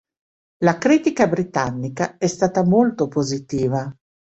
La critica britannica è stata molto positiva.